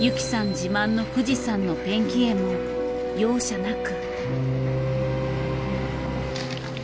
自慢の富士山のペンキ絵も容赦なく。